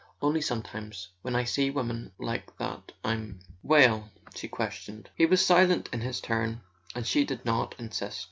"Only sometimes, when I see women like that I'm " "Well?" she questioned. He was silent in his turn, and she did not insist.